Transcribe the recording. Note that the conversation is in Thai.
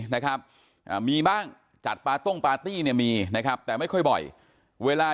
นะครับมีบ้างจัดปาต้งปาร์ตี้เนี่ยมีนะครับแต่ไม่ค่อยบ่อยเวลา